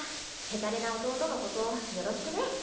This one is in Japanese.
ヘタレな弟のことをよろしくね。